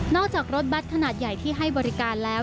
จากรถบัตรขนาดใหญ่ที่ให้บริการแล้ว